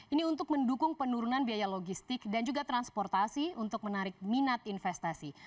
ini untuk mendukung penurunan biaya logistik dan juga transportasi untuk menarik minat investasi